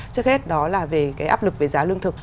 trước hết đó là về cái áp lực về giá lương thực